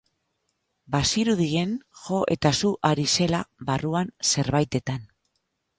Bazirudien jo eta su ari zela barruan zerbaitetan.